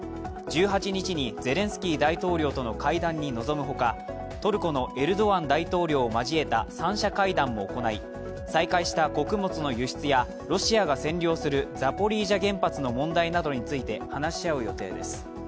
１８日に、ゼレンスキー大統領との会談に臨むほか、トルコのエルドアン大統領を交えた三者会談も行い再開した穀物の輸出やロシアが占領するザポリージャ原発の問題などについて話し合う予定です。